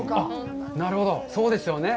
なるほど、そうですよね。